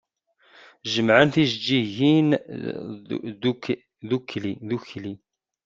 Jemɛen-d tijeǧǧigin ddukkli.